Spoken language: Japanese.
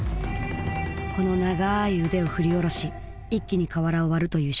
この長い腕を振り下ろし一気に瓦を割るという仕組み。